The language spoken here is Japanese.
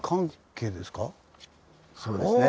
そうですね。